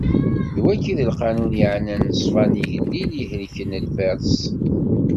D wagi i d lqanun yeɛnan ṣṣfa n igellil i ihelken lberṣ.